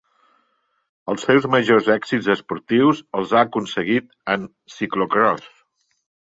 Els seus majors èxits esportius els ha aconseguit en ciclocròs.